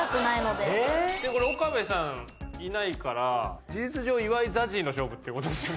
でもこれ岡部さんいないから事実上岩井ＺＡＺＹの勝負ってことっすよね。